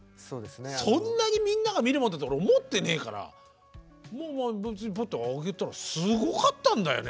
そんなにみんなが見るものだと俺思ってねえから別にぷっと上げたらすごかったんだよね